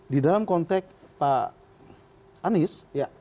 di dalam konteks pak anies